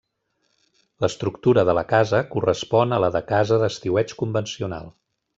L'estructura de la casa correspon a la de casa d'estiueig convencional.